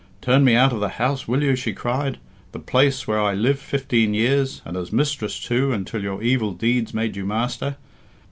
"Turn me out of the house, will you?" she cried. "The place where I lived fifteen years, and as mistress, too, until your evil deeds made you master.